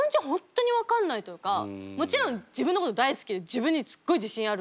もちろん自分のこと大好きで自分にすっごい自信あるの。